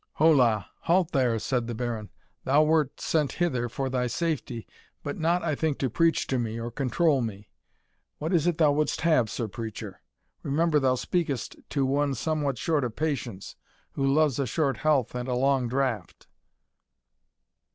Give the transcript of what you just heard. "Ho la! halt there," said the Baron; "thou wert sent hither for thy safety, but not, I think, to preach to me, or control me. What is it thou wouldst have, Sir Preacher? Remember thou speakest to one somewhat short of patience, who loves a short health and a long draught."